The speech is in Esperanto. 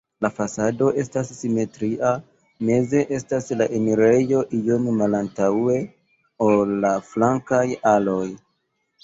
La fasado estas simetria, meze estas la enirejo iom malantaŭe, ol la flankaj aloj.